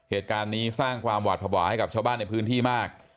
เหตุการณ์นี้สร้างความหวาดภาวะให้กับชาวบ้านในพื้นที่มาก